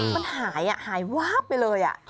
มันหายอ่ะหายวว๊า๊บไปเลยอ่ะ